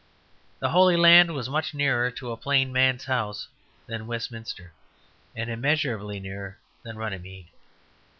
The Holy Land was much nearer to a plain man's house than Westminster, and immeasurably nearer than Runymede.